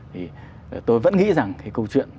thì tôi vẫn nghĩ rằng cái câu chuyện